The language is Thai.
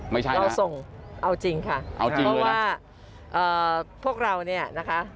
ไม่ค่ะเราส่งเอาจริงค่ะเพราะว่าพวกเราเนี่ยนะคะ